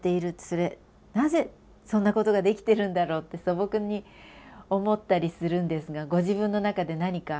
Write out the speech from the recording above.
それなぜそんなことができてるんだろうって素朴に思ったりするんですがご自分の中で何か。